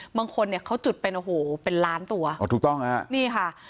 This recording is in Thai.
บางคนเนี่ยเขาจุดเป็นโอ้โหเป็นล้านตัวอ๋อถูกต้องฮะนี่ค่ะ